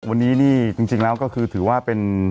วันนี้นี่จริงแล้วก็คือถือว่าเป็น